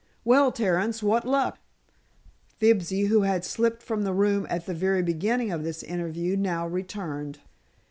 Well, Terence, what luck?" Fibsy, who had slipped from the room at the very beginning of this interview, now returned.